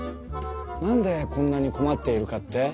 なんでこんなにこまっているかって？